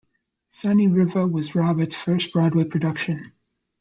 "Sunny River" was Roberts' first Broadway production.